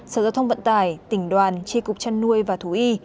sở giao thông vận tải tỉnh đoàn tri cục chăn nuôi và thú y